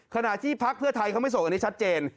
ขณะที่พักเพื่อไทยเขาไม่ส่งอันนี้ชัดเจน